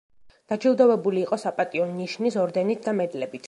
დაჯილდოვებული იყო „საპატიო ნიშნის“ ორდენით და მედლებით.